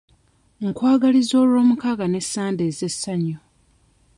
Nkwagaliza olw'omukaaga ne Sande ez'essannyu.